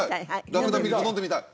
ラクダミルク飲んでみたい？